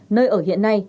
nơi ở hiện nay